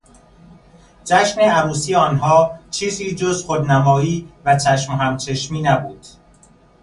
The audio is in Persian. جشن عروسی آنها چیزی جز خودنمایی و چشم و همچشمی نبود.